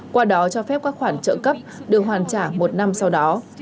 qua đó cho phép các khoản trợ cấp được hoàn trả một năm sau đó